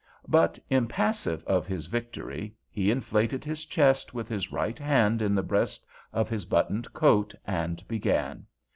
But impassive of his victory, he inflated his chest, with his right hand in the breast of his buttoned coat, and began.